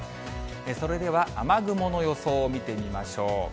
それでは雨雲の予想を見てみましょう。